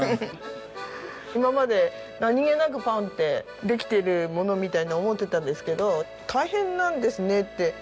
今まで何げなくパンってできてるものみたいに思ってたんですけど大変なんですねって。